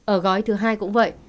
ở gói thứ hai cũng vậy